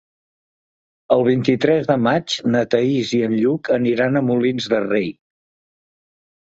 El vint-i-tres de maig na Thaís i en Lluc aniran a Molins de Rei.